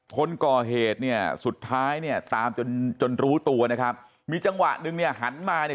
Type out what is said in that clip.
คนก่อเหตุเนี่ยสุดท้ายเนี่ยตามจนจนรู้ตัวนะครับมีจังหวะหนึ่งเนี่ยหันมาเนี่ย